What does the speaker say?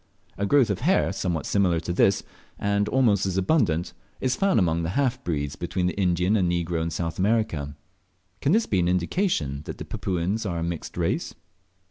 A growth of hair somewhat similar to this, and almost as abundant, is found among the half breeds between the Indian and Negro in South America. Can this be an indication that the Papuans are a mixed race?